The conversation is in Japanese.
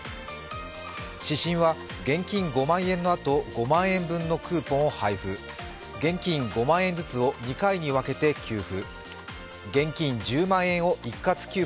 指針は現金５万円のあと、５万円のクーポンを配布、現金５万円ずつを２回に分けて給付。